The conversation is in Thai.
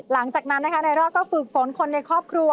หลังจากนั้นนะคะนายรอดก็ฝึกฝนคนในครอบครัว